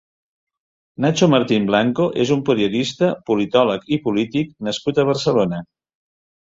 Nacho Martín Blanco és un periodista, politòleg i polític nascut a Barcelona.